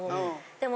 でも。